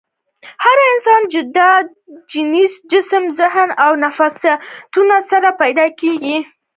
هر انسان د جدا جينز ، جسم ، ذهن او نفسياتو سره پېدا کيږي